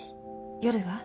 夜は？